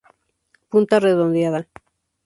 Punta redondeada.